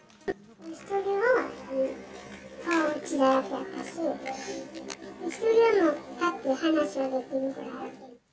１人は顔、血だらけやったし、１人はもう、立って話もできるくらい。